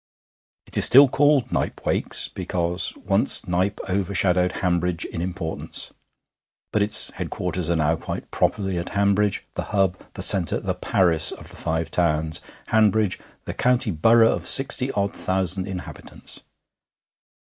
It is still called Knype Wakes, because once Knype overshadowed Hanbridge in importance; but its headquarters are now quite properly at Hanbridge, the hub, the centre, the Paris of the Five Towns Hanbridge, the county borough of sixty odd thousand inhabitants.